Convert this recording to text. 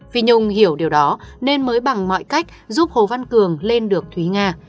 vì nhung hiểu điều đó nên mới bằng mọi cách giúp hồ văn cường lên được thúy nga